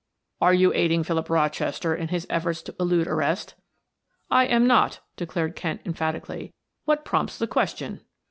"Are you aiding Philip Rochester in his efforts to elude arrest?" "I am not," declared Kent emphatically. "What prompts the question?"